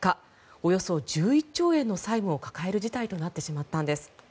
およそ１１兆円の債務を抱える事態となってしまったんです。